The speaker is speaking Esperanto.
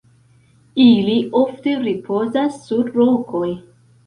Ili ofte ripozas sur rokoj.